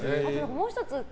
もう１つ。